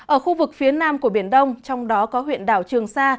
ở khu vực phía nam của biển đông trong đó có huyện đảo trường sa